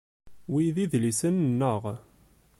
Wi d idlisen-nneɣ.